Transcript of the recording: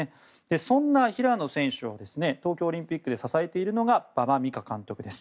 そんな平野選手を東京オリンピックで支えているのが馬場美香監督です。